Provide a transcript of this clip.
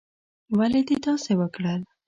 ولې دې داسې وکړل؟